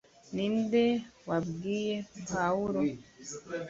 ninde wabwiye pawulo